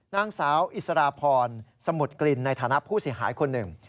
นางสาวอิสราพรสมุทรกลิ่นในฐานะผู้เสียหายคนหนึ่ง